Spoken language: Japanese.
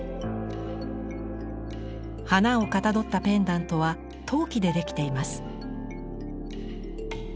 花をかたどったペンダントは陶器でできています。